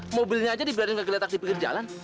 mobilnya aja dibilangin kaget letak di pinggir jalan